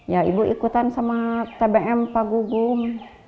ya ibu ikutan sama tbm pak gugung